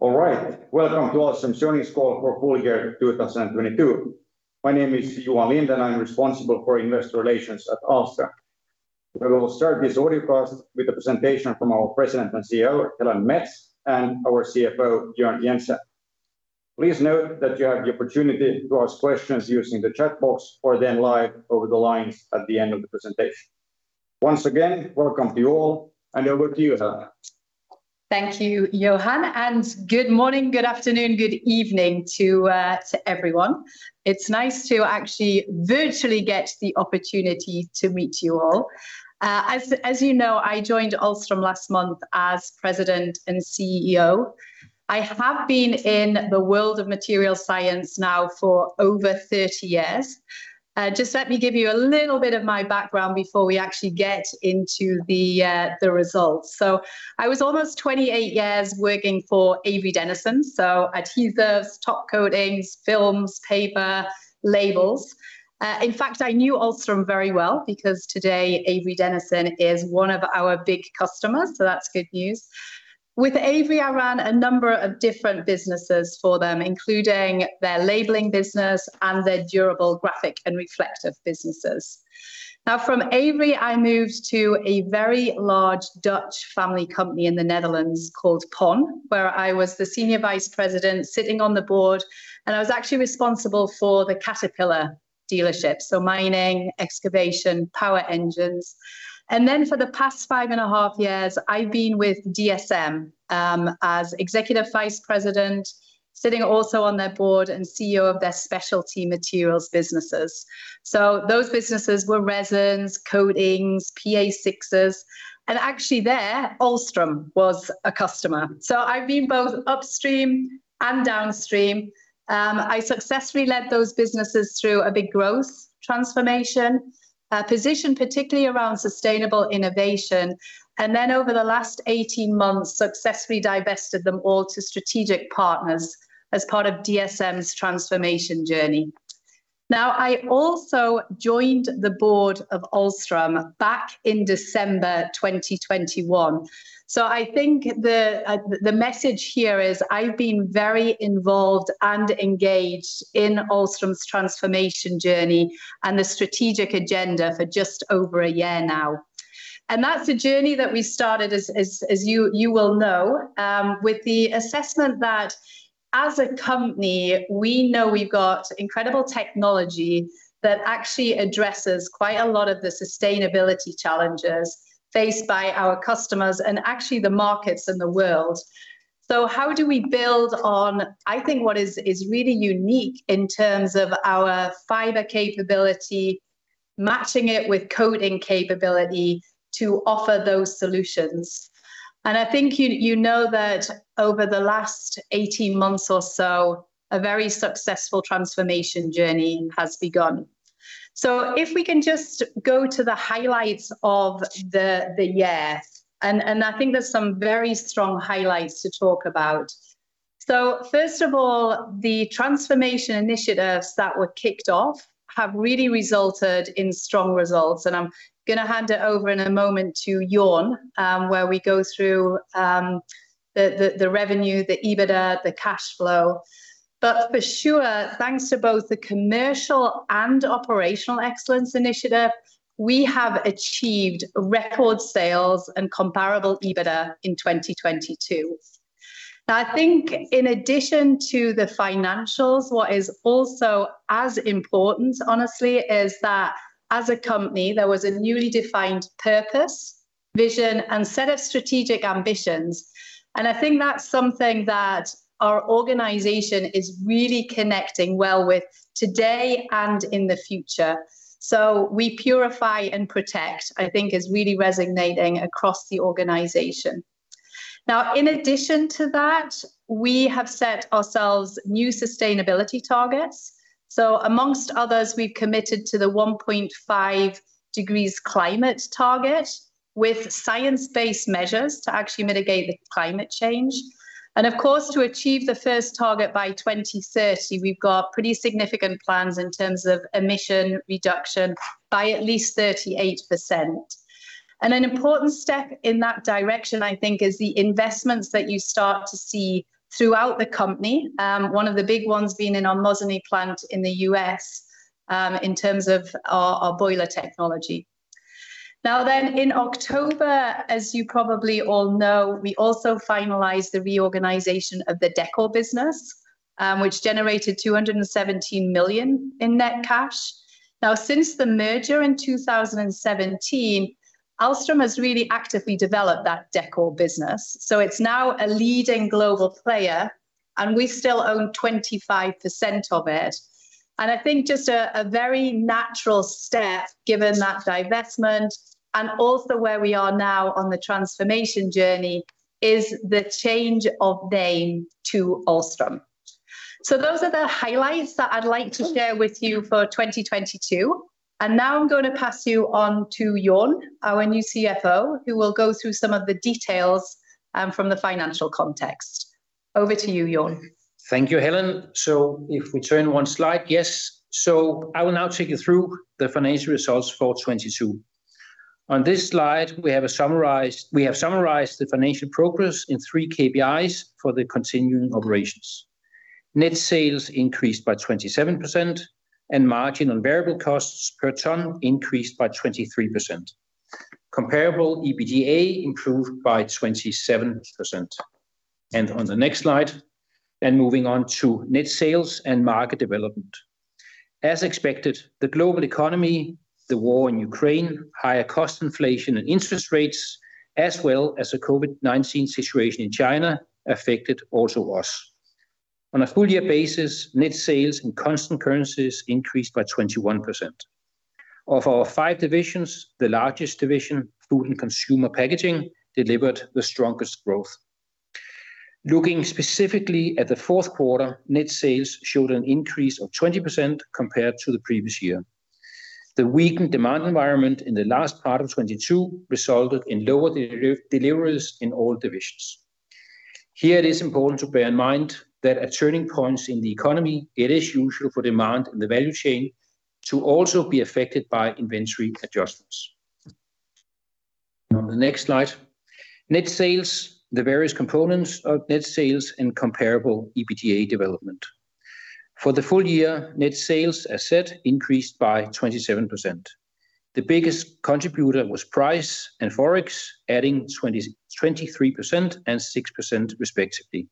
All right. Welcome to Ahlstrom-Munksjö's call for full year 2022. My name is Johan Lindh, and I'm responsible for investor relations at Ahlstrom. We will start this audio cast with a presentation from our President and CEO, Helen Mets, and our CFO, Jorn Jensen. Please note that you have the opportunity to ask questions using the chat box or then live over the lines at the end of the presentation. Once again, welcome to you all, over to you, Helen. Thank you, Johan, good morning, good afternoon, good evening to everyone. It's nice to actually virtually get the opportunity to meet you all. As you know, I joined Ahlstrom last month as President and CEO. I have been in the world of material science now for over 30 years. Just let me give you a little bit of my background before we actually get into the results. I was almost 28 years working for Avery Dennison, so adhesives, top coatings, films, paper, labels. In fact, I knew Ahlstrom very well because today Avery Dennison is one of our big customers, so that's good news. With Avery, I ran a number of different businesses for them, including their labeling business and their durable graphic and reflective businesses. From Avery, I moved to a very large Dutch family company in the Netherlands called Pon, where I was the senior vice president sitting on the board, and I was actually responsible for the Caterpillar dealership, so mining, excavation, power engines. For the past 5.5 years, I've been with DSM as executive vice president, sitting also on their board and CEO of their specialty materials businesses. Those businesses were resins, coatings, PA6, and actually there, Ahlstrom was a customer. I've been both upstream and downstream. I successfully led those businesses through a big growth transformation, positioned particularly around sustainable innovation, and then over the last 18 months, successfully divested them all to strategic partners as part of DSM's transformation journey. I also joined the board of Ahlstrom back in December 2021. I think the message here is I've been very involved and engaged in Ahlstrom's transformation journey and the strategic agenda for just over a year now. That's a journey that we started as you will know, with the assessment that as a company, we know we've got incredible technology that actually addresses quite a lot of the sustainability challenges faced by our customers and actually the markets and the world. How do we build on, I think, what is really unique in terms of our fiber capability, matching it with coating capability to offer those solutions? I think you know that over the last 18 months or so, a very successful transformation journey has begun. If we can just go to the highlights of the year, and I think there's some very strong highlights to talk about. First of all, the transformation initiatives that were kicked off have really resulted in strong results, and I'm gonna hand it over in a moment to Jorn, where we go through the revenue, the EBITDA, the cash flow. For sure, thanks to both the commercial and operational excellence initiative, we have achieved record sales and Comparable EBITDA in 2022. I think in addition to the financials, what is also as important, honestly, is that as a company, there was a newly defined purpose, vision, and set of strategic ambitions, and I think that's something that our organization is really connecting well with today and in the future. We purify and protect, I think, is really resonating across the organization. In addition to that, we have set ourselves new sustainability targets. Amongst others, we've committed to the 1.5 degrees climate target with science-based measures to actually mitigate the climate change. Of course, to achieve the first target by 2030, we've got pretty significant plans in terms of emission reduction by at least 38%. An important step in that direction, I think, is the investments that you start to see throughout the company, one of the big ones being in our Mosinee plant in the US, in terms of our boiler technology. In October, as you probably all know, we also finalized the reorganization of the Decor business, which generated 217 million in net cash. Since the merger in 2017, Ahlstrom has really actively developed that Decor business. It's now a leading global player, and we still own 25% of it. I think just a very natural step, given that divestment and also where we are now on the transformation journey, is the change of name to Ahlstrom. Those are the highlights that I'd like to share with you for 2022, and now I'm going to pass you on to Jorn, our new CFO, who will go through some of the details from the financial context. Over to you, Jorn. Thank you, Helen. If we turn one slide. Yes. I will now take you through the financial results for 2022. On this slide, we have summarized the financial progress in three KPIs for the continuing operations. Net sales increased by 27% and margin on variable costs per ton increased by 23%. Comparable EBITDA improved by 27%. On the next slide, moving on to net sales and market development. As expected, the global economy, the war in Ukraine, higher cost inflation and interest rates, as well as the COVID-19 situation in China affected also us. On a full year basis, net sales in constant currencies increased by 21%. Of our five divisions, the largest division, Food & Consumer Packaging, delivered the strongest growth. Looking specifically at the fourth quarter, net sales showed an increase of 20% compared to the previous year. The weakened demand environment in the last part of 2022 resulted in lower deliveries in all divisions. It is important to bear in mind that at turning points in the economy, it is usual for demand in the value chain to also be affected by inventory adjustments. On the next slide. Net sales, the various components of net sales and Comparable EBITDA development. For the full year, net sales, as said, increased by 27%. The biggest contributor was price and Forex, adding 23% and 6% respectively.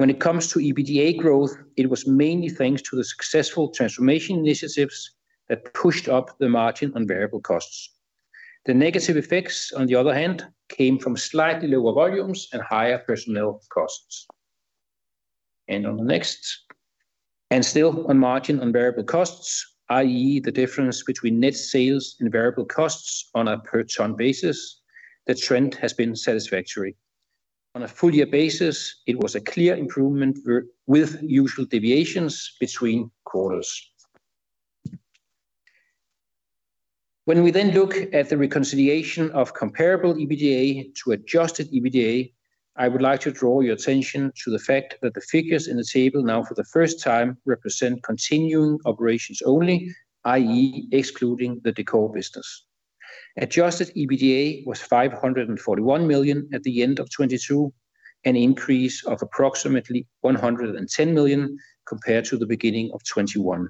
When it comes to EBITDA growth, it was mainly thanks to the successful transformation initiatives that pushed up the margin on variable costs. The negative effects, on the other hand, came from slightly lower volumes and higher personnel costs. On the next. Still on margin on variable costs, i.e. the difference between net sales and variable costs on a per ton basis, the trend has been satisfactory. On a full year basis, it was a clear improvement with usual deviations between quarters. We then look at the reconciliation of Comparable EBITDA to Adjusted EBITDA, I would like to draw your attention to the fact that the figures in the table now for the first time represent continuing operations only, i.e. excluding the Decor business. Adjusted EBITDA was 541 million at the end of 2022, an increase of approximately 110 million compared to the beginning of 2021.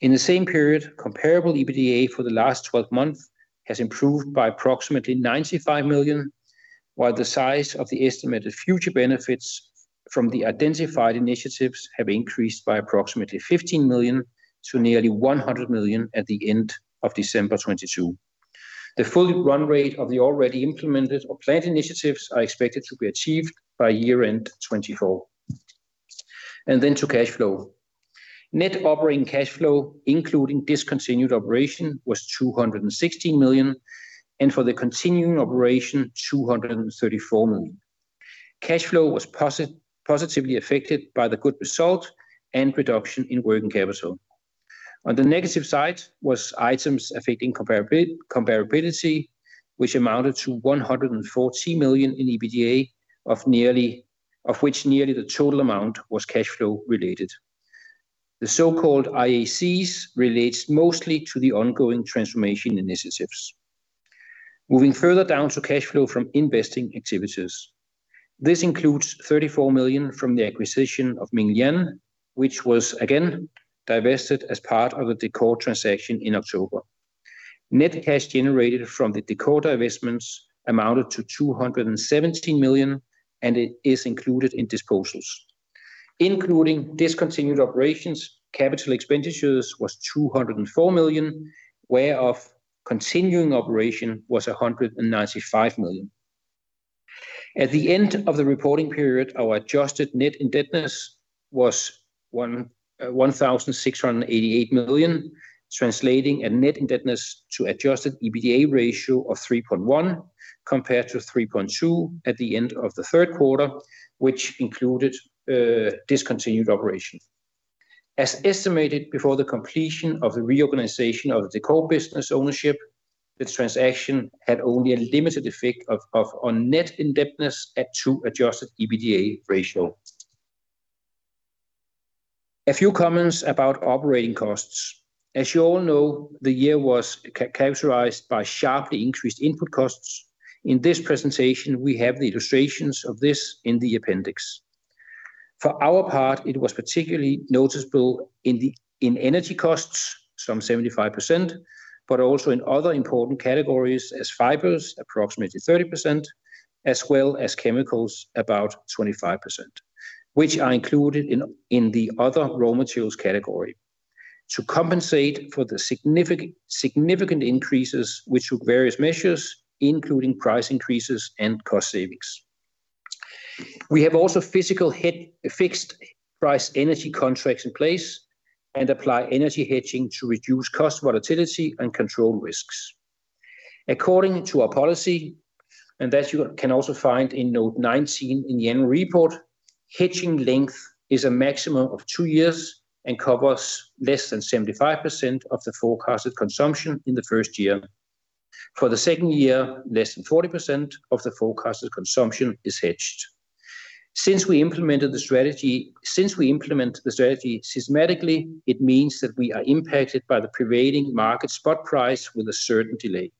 In the same period, Comparable EBITDA for the last 12 months has improved by approximately 95 million, while the size of the estimated future benefits from the identified initiatives have increased by approximately 15 million to nearly 100 million at the end of December 2022. The full run rate of the already implemented or planned initiatives are expected to be achieved by year-end 2024. To cash flow. Net operating cash flow, including discontinued operation, was 260 million, and for the continuing operation, 234 million. Cash flow was positively affected by the good result and reduction in working capital. On the negative side was items affecting comparability, which amounted to 140 million in EBITDA, of which nearly the total amount was cash flow related. The so-called IACs relates mostly to the ongoing transformation initiatives. Moving further down to cash flow from investing activities. This includes 34 million from the acquisition of Minglian, which was again divested as part of the Decor transaction in October. Net cash generated from the Decor divestments amounted to 217 million, and it is included in disposals. Including discontinued operations, capital expenditures was 204 million, whereof continuing operation was 195 million. At the end of the reporting period, our adjusted net indebtedness was 1,688 million, translating a net indebtedness to adjusted EBITDA ratio of 3.1 compared to 3.2 at the end of the third quarter, which included discontinued operation. As estimated before the completion of the reorganization of Decor business ownership, the transaction had only a limited effect on net indebtedness at to adjusted EBITDA ratio. A few comments about operating costs. As you all know, the year was characterized by sharply increased input costs. In this presentation, we have the illustrations of this in the appendix. For our part, it was particularly noticeable in energy costs, some 75%, but also in other important categories as fibers, approximately 30%, as well as chemicals, about 25%, which are included in the other raw materials category. To compensate for the significant increases, we took various measures, including price increases and cost savings. We have also physical fixed price energy contracts in place and apply energy hedging to reduce cost volatility and control risks. According to our policy, and that you can also find in note 19 in the annual report, hedging length is a maximum of two years and covers less than 75% of the forecasted consumption in the first year. For the second year, less than 40% of the forecasted consumption is hedged. Since we implement the strategy systematically, it means that we are impacted by the prevailing market spot price with a certain delay.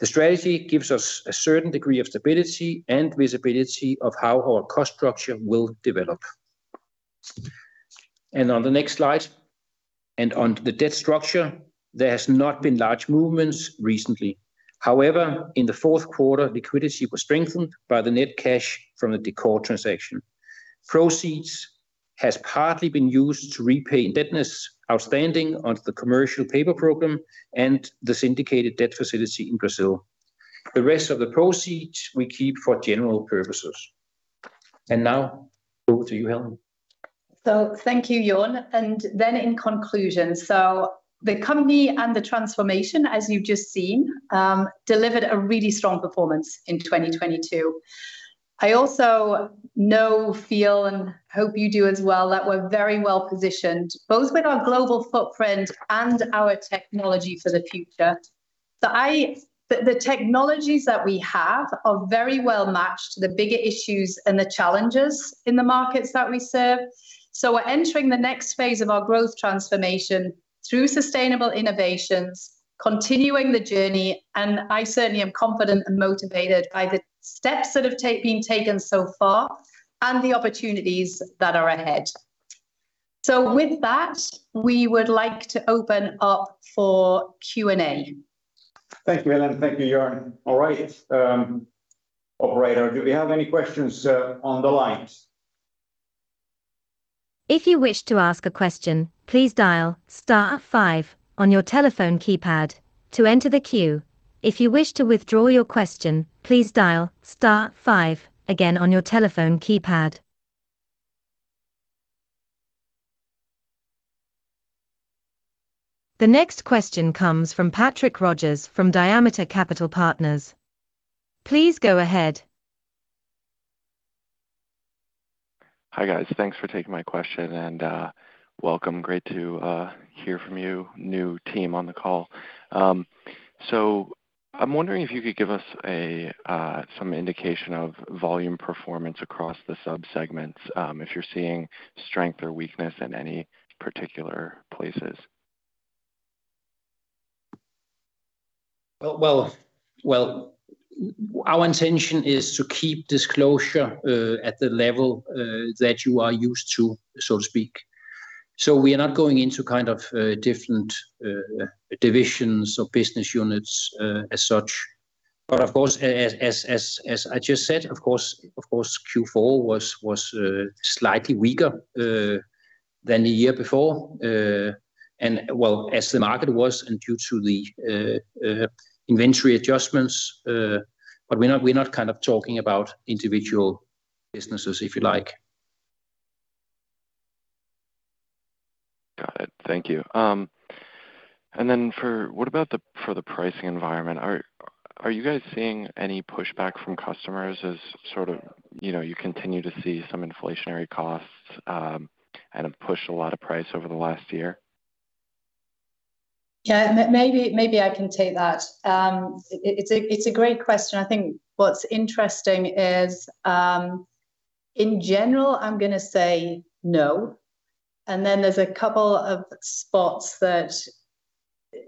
The strategy gives us a certain degree of stability and visibility of how our cost structure will develop. On the next slide, and on the debt structure, there has not been large movements recently. However, in the fourth quarter, liquidity was strengthened by the net cash from the Decor transaction. Proceeds has partly been used to repay indebtedness outstanding onto the commercial paper program and the syndicated debt facility in Brazil. The rest of the proceeds we keep for general purposes. Now over to you, Helen. Thank you, Jorn. In conclusion, the company and the transformation, as you've just seen, delivered a really strong performance in 2022. I also know, feel, and hope you do as well, that we're very well-positioned, both with our global footprint and our technology for the future. The technologies that we have are very well matched to the bigger issues and the challenges in the markets that we serve. We're entering the next phase of our growth transformation through sustainable innovations, continuing the journey, and I certainly am confident and motivated by the steps that have been taken so far and the opportunities that are ahead. With that, we would like to open up for Q&A. Thank you, Helen. Thank you, Jorn. All right, operator, do we have any questions on the line? If you wish to ask a question, please dial star five on your telephone keypad to enter the queue. If you wish to withdraw your question, please dial star five again on your telephone keypad. The next question comes from Patrick Rogers from Diameter Capital Partners. Please go ahead. Hi, guys. Thanks for taking my question. Welcome. Great to hear from you, new team on the call. I'm wondering if you could give us some indication of volume performance across the subsegments, if you're seeing strength or weakness in any particular places. Well, our intention is to keep disclosure at the level that you are used to, so to speak. We are not going into kind of different divisions or business units as such. Of course, as I just said, of course, Q4 was slightly weaker than the year before. And well, as the market was and due to the inventory adjustments, we're not kind of talking about individual businesses, if you like. Got it. Thank you. What about the pricing environment? Are you guys seeing any pushback from customers as sort of, you know, you continue to see some inflationary costs and have pushed a lot of price over the last year? Yeah. Maybe I can take that. It's a great question. I think what's interesting is, in general, I'm gonna say no. There's a couple of spots that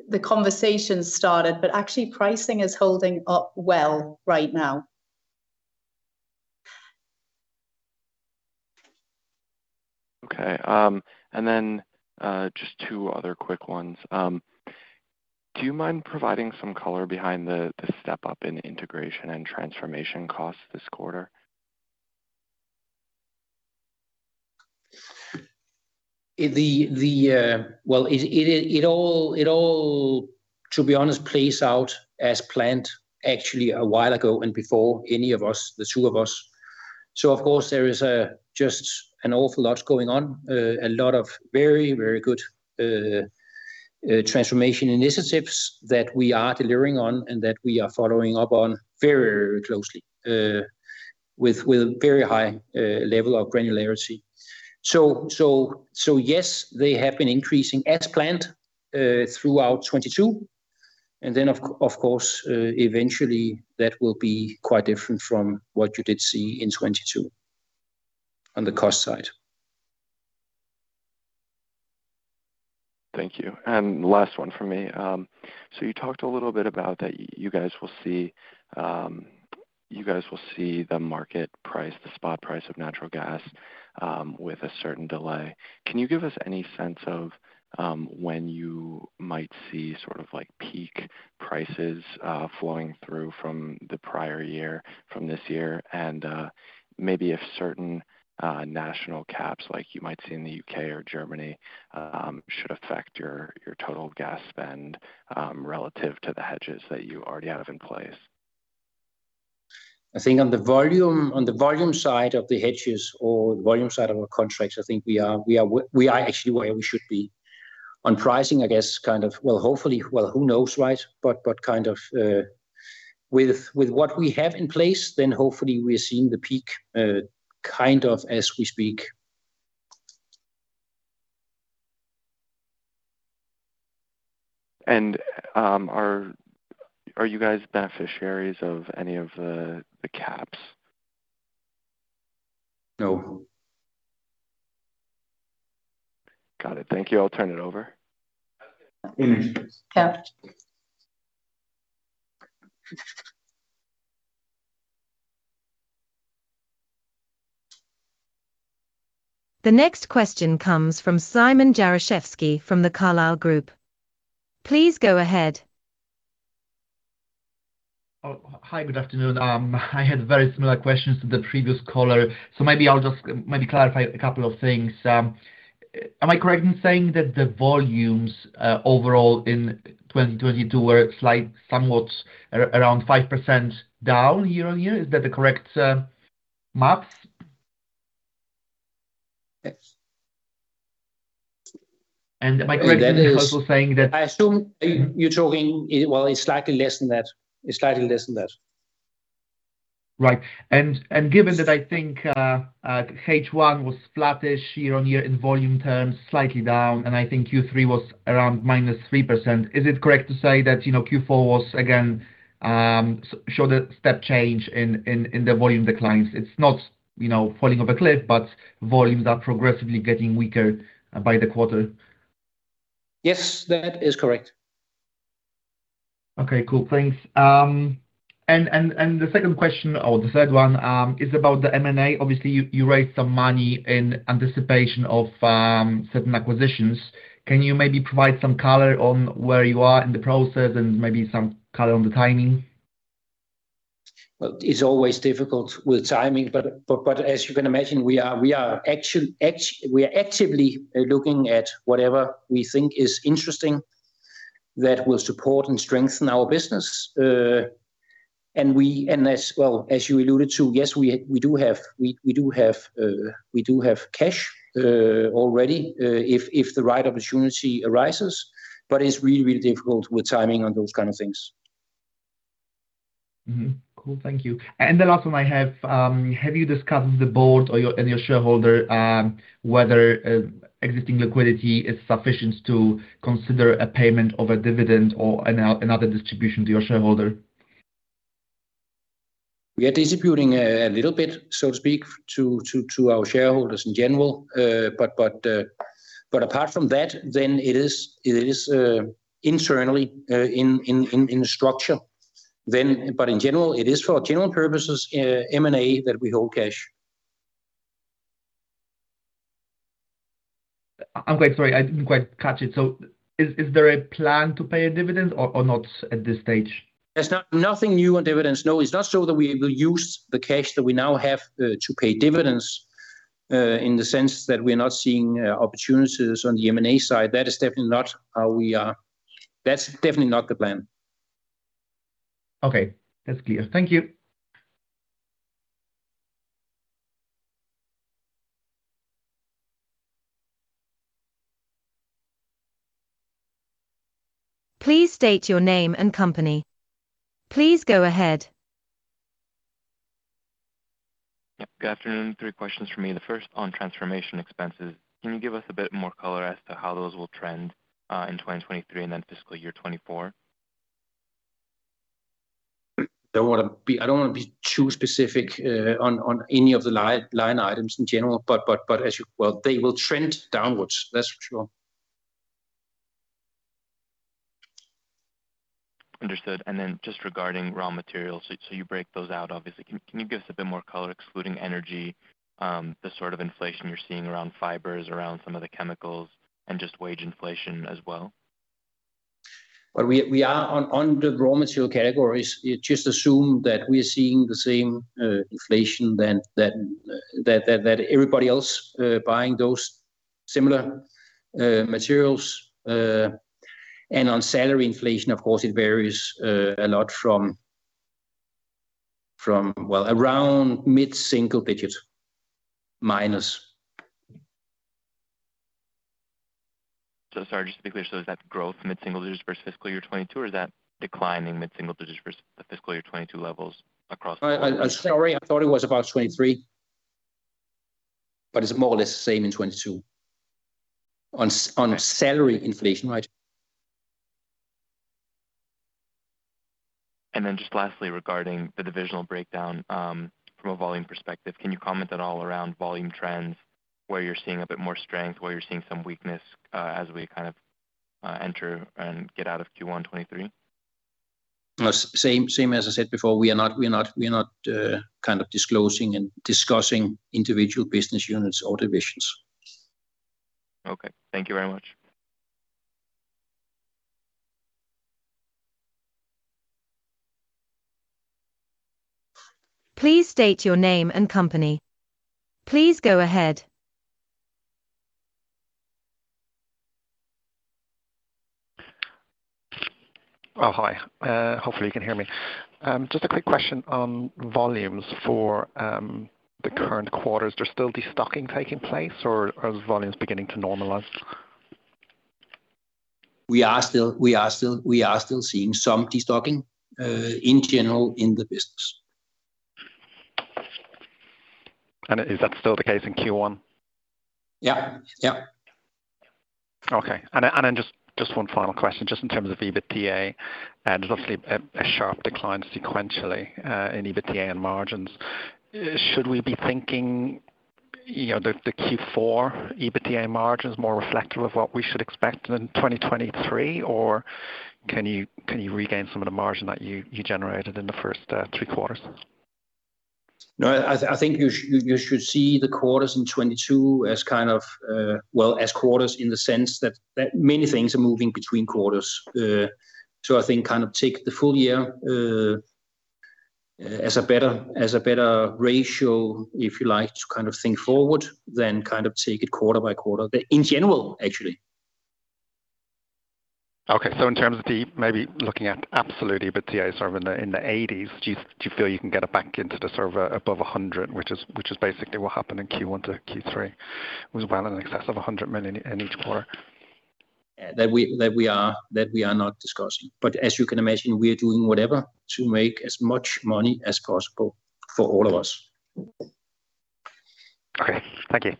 the conversation started, actually pricing is holding up well right now. Okay. Just two other quick ones. Do you mind providing some color behind the step-up in integration and transformation costs this quarter? Well, it all, to be honest, plays out as planned actually a while ago and before any of us, the two of us. Of course, there is just an awful lot going on, a lot of very, very good transformation initiatives that we are delivering on and that we are following up on very, very closely, with very high level of granularity. Yes, they have been increasing as planned throughout 2022. Of course, eventually that will be quite different from what you did see in 2022 on the cost side. Thank you. Last one from me. You talked a little bit about that you guys will see, you guys will see the market price, the spot price of natural gas, with a certain delay. Can you give us any sense of when you might see sort of like peak prices, flowing through from the prior year, from this year? Maybe if certain, national caps like you might see in the U.K. or Germany, should affect your total gas spend, relative to the hedges that you already have in place. I think on the volume side of the hedges or the volume side of our contracts, I think we are, we are actually where we should be. On pricing, I guess kind of, well, hopefully, well, who knows, right? Kind of, with what we have in place, then hopefully we're seeing the peak, kind of as we speak. Are you guys beneficiaries of any of the caps? No. Got it. Thank you. I'll turn it over. Thanks. The next question comes from Szymon Jaroszewski from the Carlyle Group. Please go ahead. Hi, good afternoon. I had very similar questions to the previous caller, so maybe I'll just clarify a couple of things. Am I correct in saying that the volumes overall in 2022 were slight, somewhat around 5% down year-on-year? Is that the correct math? Yes. Am I correct in also saying? I assume you're talking. Well, it's slightly less than that. It's slightly less than that. Right. Given that I think H1 was flattish year-on-year in volume terms, slightly down, and I think Q3 was around -3%, is it correct to say that, you know, Q4 was again show the step change in the volume declines? It's not, you know, falling off a cliff. Volumes are progressively getting weaker by the quarter. Yes, that is correct. Okay. Cool. Thanks. The second question or the third one, is about the M&A. Obviously, you raised some money in anticipation of certain acquisitions. Can you maybe provide some color on where you are in the process and maybe some color on the timing? Well, it's always difficult with timing, but as you can imagine, we are actively looking at whatever we think is interesting that will support and strengthen our business. As, well, as you alluded to, yes, we do have cash already if the right opportunity arises. It's really difficult with timing on those kind of things. Cool. Thank you. The last one I have you discussed with the board and your shareholder, whether existing liquidity is sufficient to consider a payment of a dividend or another distribution to your shareholder? We are distributing a little bit, so to speak, to our shareholders in general. Apart from that, then it is internally in structure then. In general, it is for general purposes, M&A, that we hold cash. I'm quite sorry. I didn't quite catch it. Is there a plan to pay a dividend or not at this stage? There's nothing new on dividends, no. It's not that we will use the cash that we now have to pay dividends in the sense that we're not seeing opportunities on the M&A side. That is definitely not how we are. That's definitely not the plan. Okay. That's clear. Thank you. Please state your name and company. Please go ahead. Yep. Good afternoon. Three questions from me. The first on transformation expenses. Can you give us a bit more color as to how those will trend in 2023 and then fiscal year 2024? I don't wanna be too specific on any of the line items in general, but well, they will trend downwards, that's for sure. Understood. Just regarding raw materials, so you break those out obviously. Can you give us a bit more color, excluding energy, the sort of inflation you're seeing around fibers, around some of the chemicals, and just wage inflation as well? Well, we are on the raw material categories, just assume that we are seeing the same inflation than everybody else buying those similar materials. On salary inflation, of course, it varies a lot from, well, around mid-single digits minus. Sorry, just to be clear, so is that growth mid-single digits versus fiscal year 22, or is that declining mid-single digits versus the fiscal year 22 levels across? I, sorry. I thought it was about 23, but it's more or less the same in 22 on salary inflation, right. Just lastly, regarding the divisional breakdown, from a volume perspective, can you comment at all around volume trends, where you're seeing a bit more strength, where you're seeing some weakness, as we kind of enter and get out of Q1 2023? Same as I said before, we are not kind of disclosing and discussing individual business units or divisions. Okay. Thank you very much. Please state your name and company. Please go ahead. Oh, hi. Hopefully you can hear me. Just a quick question on volumes for the current quarters. Is there still destocking taking place or are volumes beginning to normalize? We are still seeing some destocking in general in the business. Is that still the case in Q1? Yeah. Yeah. Okay. Just one final question, just in terms of EBITDA, obviously a sharp decline sequentially in EBITDA and margins. Should we be thinking, you know, the Q4 EBITDA margin is more reflective of what we should expect in 2023? Can you regain some of the margin that you generated in the first three quarters? I think you should see the quarters in 22 as kind of, well, as quarters in the sense that many things are moving between quarters. I think kind of take the full year as a better ratio, if you like, to kind of think forward than kind of take it quarter by quarter. In general, actually. In terms of the, maybe looking at absolute EBITDA, sort of in the 80s, do you feel you can get it back into the sort of above 100, which is basically what happened in Q1 to Q3, was well in excess of 100 million in each quarter? That we are not discussing. As you can imagine, we are doing whatever to make as much money as possible for all of us. Okay. Thank you.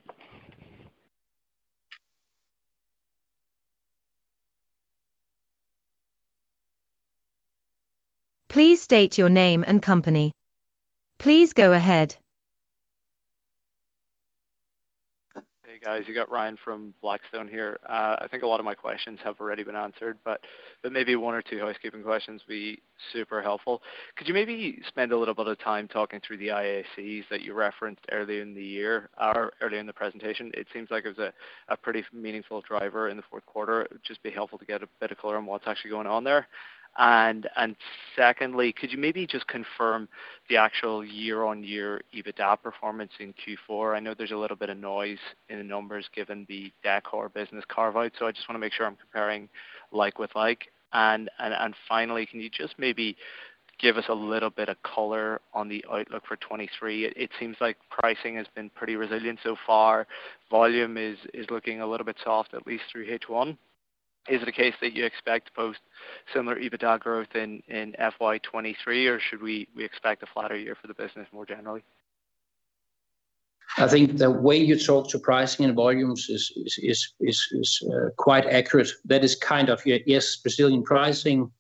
Please state your name and company. Please go ahead. Hey, guys. You got Ryan from Blackstone here. I think a lot of my questions have already been answered, but maybe one or two housekeeping questions would be super helpful. Could you maybe spend a little bit of time talking through the IACs that you referenced earlier in the year, or earlier in the presentation? It seems like it was a pretty meaningful driver in the fourth quarter. It'd just be helpful to get a bit of color on what's actually going on there. Secondly, could you maybe just confirm the actual year-on-year EBITDA performance in Q4? I know there's a little bit of noise in the numbers given the Decor business carve-out, so I just want to make sure I'm comparing like with like. Finally, can you just maybe give us a little bit of color on the outlook for 2023? It seems like pricing has been pretty resilient so far. Volume is looking a little bit soft, at least through H1. Is it a case that you expect to post similar EBITDA growth in FY 2023, or should we expect a flatter year for the business more generally? I think the way you talk to pricing and volumes is quite accurate. That is kind of, yes, resilient pricing.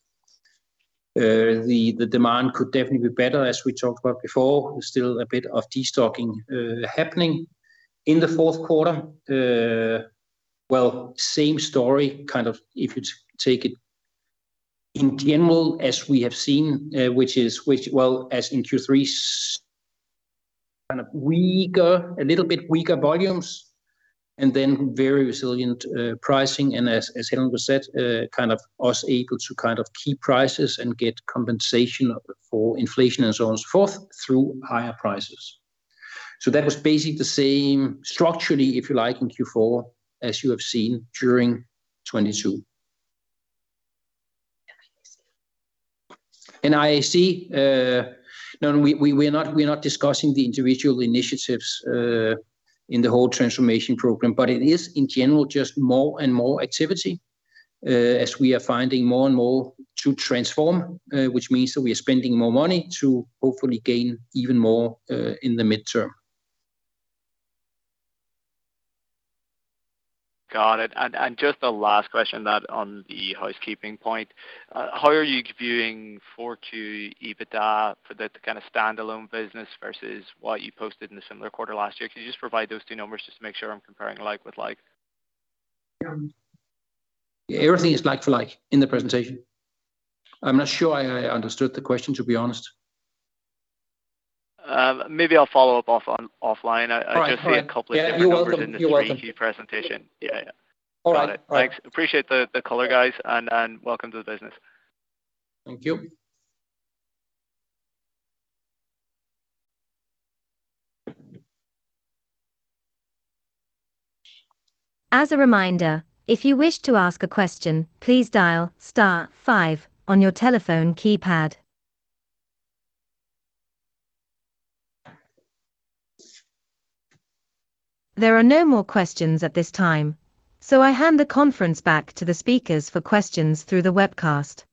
The demand could definitely be better, as we talked about before. Still a bit of destocking happening in the fourth quarter. Well, same story, kind of, if you take it in general as we have seen, which is, well, as in Q3's kind of weaker, a little bit weaker volumes, then very resilient pricing. As Helen has said, kind of us able to kind of keep prices and get compensation for inflation and so on, so forth through higher prices. That was basically the same structurally, if you like, in Q4 as you have seen during 2022. In IAC, no, we're not discussing the individual initiatives, in the whole transformation program, but it is in general just more and more activity, as we are finding more and more to transform, which means that we are spending more money to hopefully gain even more, in the mid-term. Got it. Just a last question that on the housekeeping point. How are you viewing 4Q EBITDA for the kind of standalone business versus what you posted in a similar quarter last year? Can you just provide those two numbers just to make sure I'm comparing like with like? Everything is like for like in the presentation. I'm not sure I understood the question, to be honest. Maybe I'll follow up offline. All right. All right. I just see a couple of different numbers. Yeah, you're welcome. You're welcome. In the pre-read presentation. Yeah. All right. Got it. Thanks. Appreciate the color, guys, and welcome to the business. Thank you. As a reminder, if you wish to ask a question, please dial star five on your telephone keypad. There are no more questions at this time, I hand the conference back to the speakers for questions through the webcast.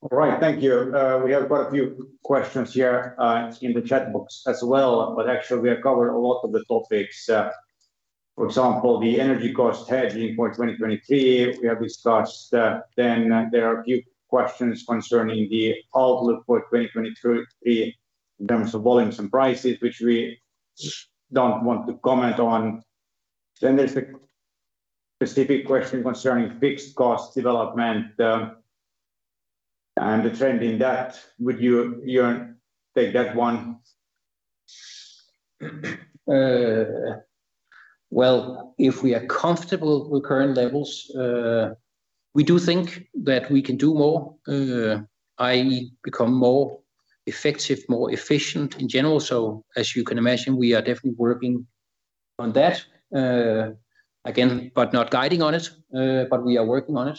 All right. Thank you. We have quite a few questions here in the chat box as well. Actually we have covered a lot of the topics. For example, the energy cost hedging for 2023, we have discussed. There are a few questions concerning the outlook for 2023 in terms of volumes and prices, which we don't want to comment on. There's a specific question concerning fixed cost development and the trend in that. Would you, Jorn, take that one? Well, if we are comfortable with current levels, we do think that we can do more, i.e., become more effective, more efficient in general. As you can imagine, we are definitely working on that. Again, but not guiding on it, but we are working on it.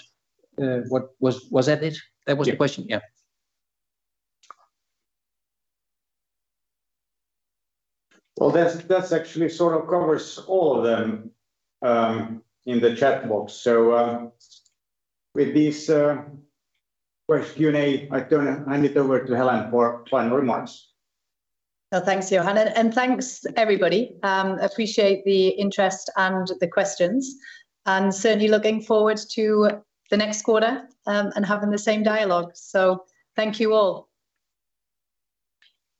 Was that it? Yeah. That was the question? Yeah. Well, that's actually sort of covers all of them, in the chat box. With this question, I hand it over to Helen for final remarks. Thanks, Johan. Thanks, everybody. Appreciate the interest and the questions, and certainly looking forward to the next quarter, and having the same dialogue. Thank you all.